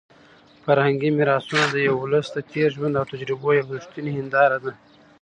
فرهنګي میراثونه د یو ولس د تېر ژوند او تجربو یوه رښتونې هنداره ده.